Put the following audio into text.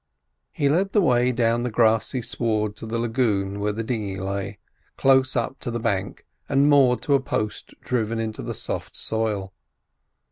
He led the way down the grassy sward to the lagoon where the dinghy lay, close up to the bank, and moored to a post driven into the soft soil.